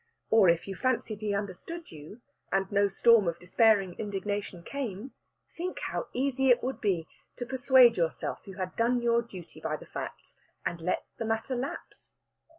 Or, if you fancied he understood you, and no storm of despairing indignation came, think how easy it would be to persuade yourself you had done your duty by the facts, and might let the matter lapse!